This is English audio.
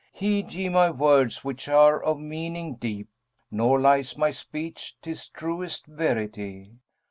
Heed ye my words which are of meaning deep, * Nor lies my speech; 'tis truest verity.